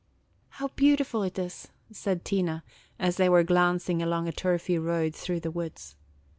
"How beautiful it is!" said Tina, as they were glancing along a turfy road through the woods.